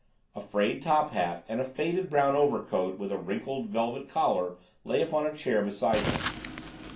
A frayed top hat and a faded brown overcoat with a wrinkled velvet collar lay upon a chair beside him.